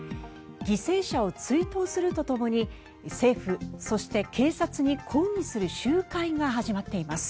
犠牲者を追悼するとともに政府、そして警察に抗議する集会が始まっています。